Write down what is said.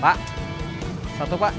pak satu pak